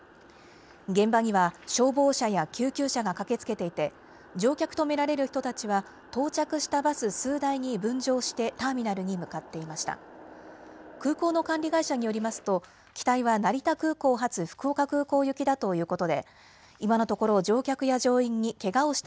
現場には消防車や救急車が駆けつけていて乗客と見られる人たちは到着したバス数台に分乗してターミナルに向かっていました。